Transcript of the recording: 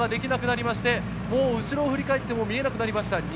後ろを振り返っても見えなくなりました。